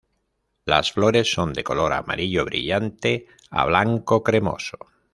Las flores son de color amarillo brillante a blanco cremoso.